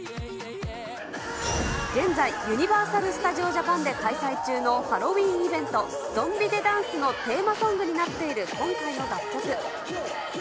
現在、ユニバーサル・スタジオ・ジャパンで開催中のハロウィーンイベント、ゾンビ・デ・ダンスのテーマソングになっている今回の楽曲。